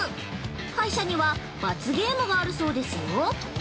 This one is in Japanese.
敗者には罰ゲームがあるそうですよ。